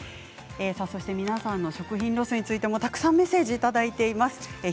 皆さんの食品ロスについてもたくさんメッセージをいただいています。